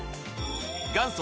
元祖